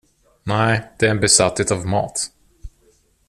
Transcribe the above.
Nej, det är en besatthet av mat.